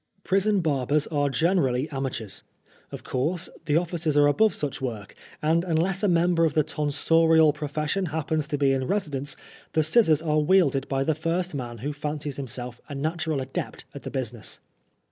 Prison barbers are generally amateurs. Of course the officers are above such work, and unless a member of the tonsorial profession happens to be in residence, the scissors are wielded by the first man who fancies himself a natural adept at the business.